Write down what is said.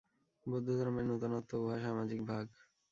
বৌদ্ধধর্মের নূতনত্ব উহার সামাজিক ভাগ।